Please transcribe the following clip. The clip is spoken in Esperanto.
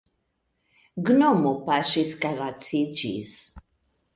Gnomo paŝis kaj laciĝis.